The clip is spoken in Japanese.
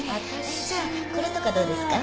じゃあこれとかどうですか？